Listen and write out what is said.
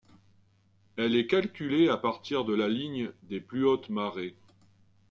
Elle est calculée à partir de la ligne des plus hautes marées.